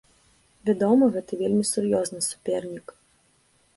Вядома, гэта вельмі сур'ёзны супернік.